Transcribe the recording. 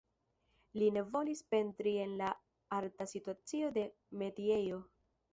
Li ne volis pentri en la arta situacio de metiejo.